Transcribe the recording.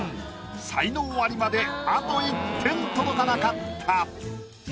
才能アリまであと１点届かなかった。